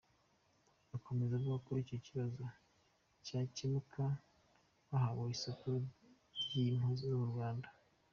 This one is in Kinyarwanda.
Akomeza avuga ko icyo kibazo cyakemuka bahawe isoko ry’impu zo mu Rwanda.